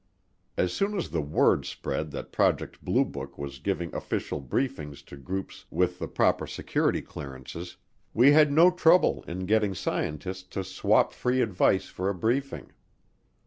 As soon as the word spread that Project Blue Book was giving official briefings to groups with the proper security clearances, we had no trouble in getting scientists to swap free advice for a briefing.